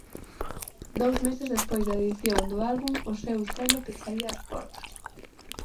Dous meses despois da edición do álbum o seu selo pecharía as portas.